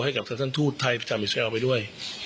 ให้กับสถานท่านทูตไทยประจำอิสราเอลไปด้วย